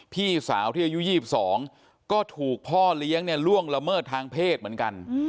พี่สาวที่อายุ๒๒ก็ถูกพ่อเลี้ยงเนี่ยล่วงละเมิดทางเพศเหมือนกัน